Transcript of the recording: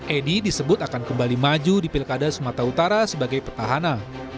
edi disebut akan kembali maju di pilkada sumatera utara sebagai petahana